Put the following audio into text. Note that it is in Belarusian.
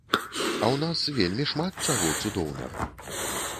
А ў нас вельмі шмат чаго цудоўнага.